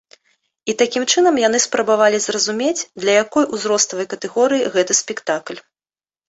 І такім чынам яны спрабавалі зразумець, для якой узроставай катэгорыі гэты спектакль.